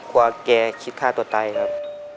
แกคิดฆ่าตัวตายครับ